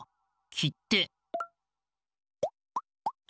きって？